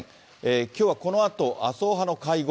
きょうはこのあと、麻生派の会合。